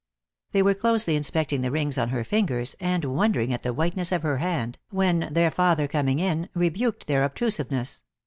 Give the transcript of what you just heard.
They were closely inspecting the rings on her fingers, and wondering at the whiteness of her hand, when their father coming in, rebuked their ob trusiveness.